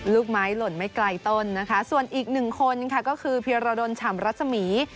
ลูกไม้หล่นไม่ไกลต้นนะคะส่วนอีกหนึ่งคนค่ะก็คือเพียรดลฉ่ำรัศมี